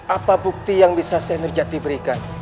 apa bukti yang bisa senerjati berikan